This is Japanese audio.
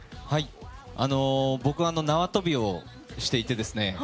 僕は縄跳びをしていてですね。